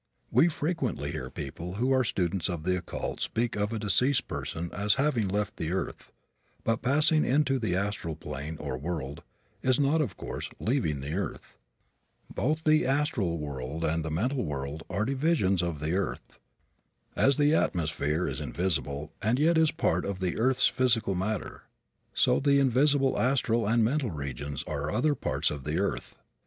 We frequently hear people who are students of the occult speak of a deceased person as having left the earth. But passing into the astral plane, or world, is not, of course, leaving the earth. Both the astral world and the mental world are divisions of the earth. As the atmosphere is invisible and yet is a part of the earth's physical matter, so the invisible astral and mental regions are other parts of the earth.